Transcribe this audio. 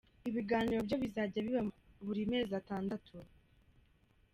Ibiganiro byo bizajya biba buri mezi atandatu.